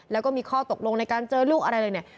แล้วก็มีข้อตกลงในการเจอลูกอะไรเลยเนี่ย